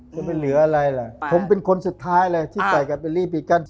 จะไม่เหลืออะไรล่ะผมเป็นคนสุดท้ายเลยที่ใส่กับเบลลี่บีกัน